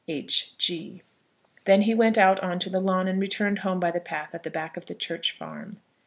H. G." Then he went out on to the lawn, and returned home by the path at the back of the church farm.